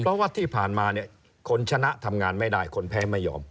เพราะว่าที่ผ่านมาเนี่ยคนชนะทำงานไม่ได้คนแพ้ไม่ยอม